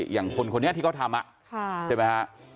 อย่างคนคนนี้ที่เขาทำใช่ไหมฮะ